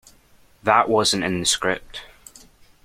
That wasn't in the script.